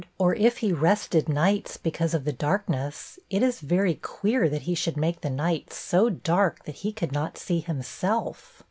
Or, if he rested nights because of the darkness, it is very queer that he should make the night so dark that he could not see himself.